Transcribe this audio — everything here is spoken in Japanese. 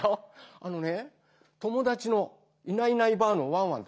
あのねともだちの「いないいないばあっ！」のワンワンと